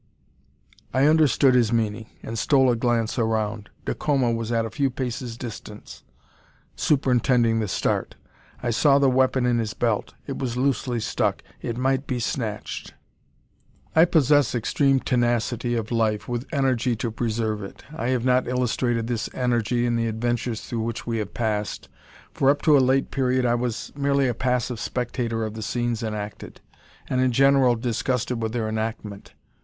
I understood his meaning, and stole a glance around. Dacoma was at a few paces' distance, superintending the start. I saw the weapon in his belt. It was loosely stuck. It might be snatched! I possess extreme tenacity of life, with energy to preserve it. I have not illustrated this energy in the adventures through which we have passed; for, up to a late period, I was merely a passive spectator of the scenes enacted, and in general disgusted with their enactment.